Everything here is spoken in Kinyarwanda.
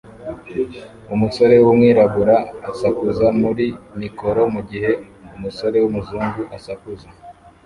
Umusore wumwirabura asakuza muri mikoro mugihe umusore wumuzungu asakuza